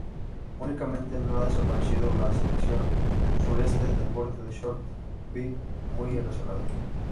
Únicamente no ha desaparecido la sección sureste del borde de "Short B", muy erosionada.